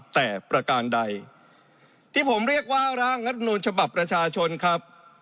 แต่ประการใดที่ผมเรียกว่าร่างรัฐมนุนฉบับประชาชนครับ